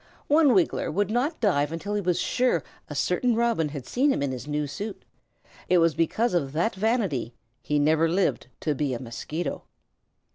One Wiggler would not dive until he was sure a certain Robin had seen his new suit. It was because of that vanity he never lived to be a Mosquito.